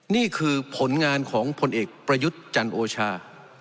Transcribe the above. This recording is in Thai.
นี่คือผลงานของผลเอกประยุทธ์จันโอชา